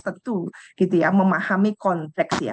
tentu gitu ya memahami konteks ya